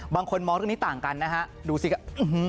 บางคนมองเรื่องนี้ต่างกันนะฮะดูสิครับ